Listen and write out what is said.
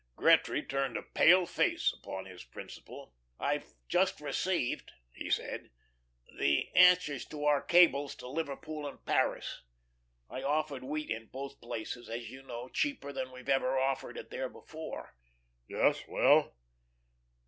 Gretry turned a pale face upon his principal. "I've just received," he said, "the answers to our cables to Liverpool and Paris. I offered wheat at both places, as you know, cheaper than we've ever offered it there before." "Yes well?"